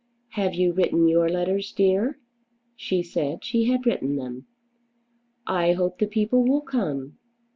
"Have you written your letters, dear?" She said she had written them. "I hope the people will come."